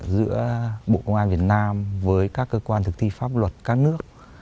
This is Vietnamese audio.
giữa bộ công an việt nam với các cơ quan thực thi pháp luật các nước